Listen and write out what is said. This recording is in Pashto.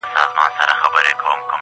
مقرر سوه دواړه سم یوه شعبه کي.